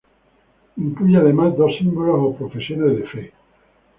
Incluye además dos "símbolos" o profesiones de fe.